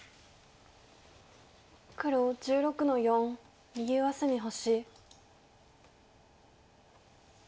黒１６の四右上隅星。